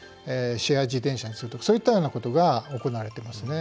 シェア自転車にするとかそういったようなことが行われていますね。